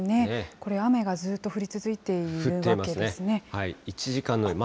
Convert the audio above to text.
これ、雨がずっと降り続いているわけですね。